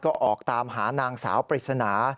ก็ออกตามหานางสาวปริศนา